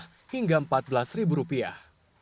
hingga empat belas ribu rupiah